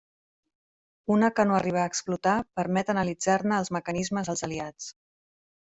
Una que no arribà a explotar permet analitzar-ne el mecanisme als aliats.